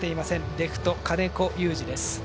レフト金子侑司です。